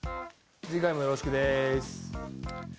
次回もよろしくです。